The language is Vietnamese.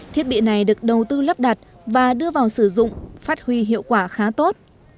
thiết bị này được đầu tư lắp đặt và đưa vào sử dụng phát huy hiệu quả khá tốt